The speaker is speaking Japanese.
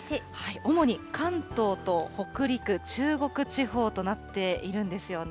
主に関東と北陸、中国地方となっているんですよね。